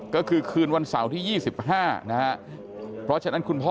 ก็คือคืนวันเสาร์ที่๒๕นะฮะเพราะฉะนั้นคุณพ่อ